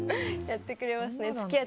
やってくれますね。